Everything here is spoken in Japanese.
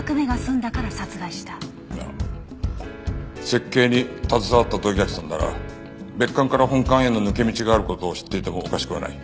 設計に携わった土居垣さんなら別館から本館への抜け道がある事を知っていてもおかしくはない。